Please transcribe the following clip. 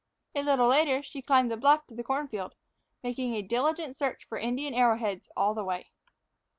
A little later she climbed the bluff to the corn field, making a diligent search for Indian arrowheads all the way.